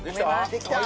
できた！